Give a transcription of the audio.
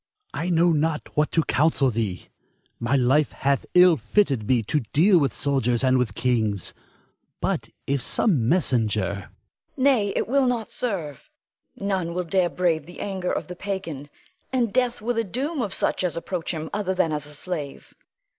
I know not what to counsel thee; my life hath ill fitted me to deal with soldiers and with kings. But if some messenger Iantha. Nay, it will not serve. None will dare brave the anger of the pagan, and death were the doom of such as approach him other than as a slave.